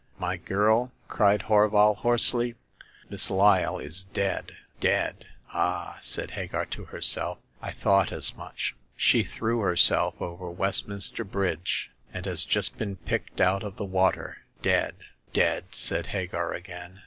." My girl," cried Horval, hoarsely, " Miss Lyle is dead !"" Dead ? Ah !" said Hagar to herself. '' I thought as much." She threw herself over Westminster Bridge, and has just been picked out of the w^ater — dead !"" Dead !" said Hagar again.